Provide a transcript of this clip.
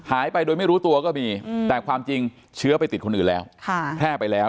ไปโดยไม่รู้ตัวก็มีแต่ความจริงเชื้อไปติดคนอื่นแล้วแพร่ไปแล้ว